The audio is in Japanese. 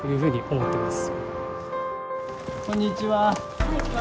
・はいこんにちは。